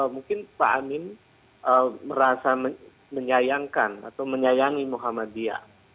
mungkin pak amin merasa menyayangkan atau menyayangi muhammadiyah